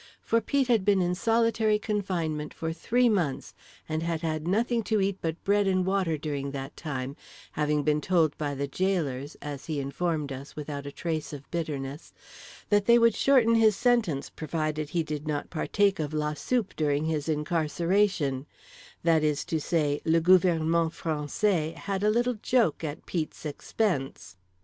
For Pete had been in solitary confinement for three months and had had nothing to eat but bread and water during that time, having been told by the jailors (as he informed us, without a trace of bitterness) that they would shorten his sentence provided he did not partake of La Soupe during his incarceration—that is to say, le gouvernement français had a little joke at Pete's expense.